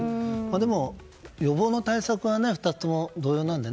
でも、予防の対策が２つとも同様なので。